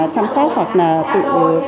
chăm sóc hoặc là tự